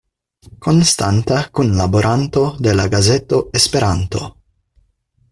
Konstanta kunlaboranto de la gazeto Esperanto.